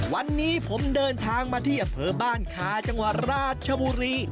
วันนี้ผมเดินทางมาที่อำเภอบ้านคาจังหวัดราชบุรี